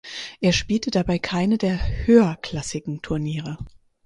Er spielte dabei keine der höherklassigen Turniere.